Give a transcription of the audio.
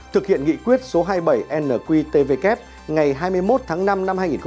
thực hiện nghị quyết số hai mươi bảy nqtvk ngày hai mươi một tháng năm năm hai nghìn một mươi ba